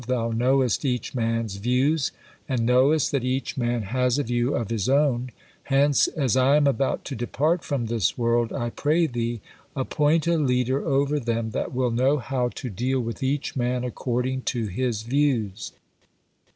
Thou knowest each man's views, and knowest that each man has a view of his own, hence, as I am about to depart from this world, I pray Thee, appoint a leader over them that will know how to deal with each man according to his views."